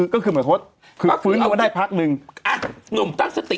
ก็คือคือฟื้นขึ้นมาได้พักนึง